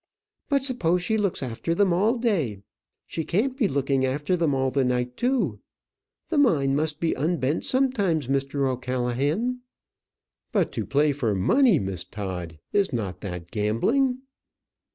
But suppose she looks after them all the day, she can't be looking after them all the night too. The mind must be unbent sometimes, Mr. O'Callaghan." "But to play for money, Miss Todd! Is not that gambling?"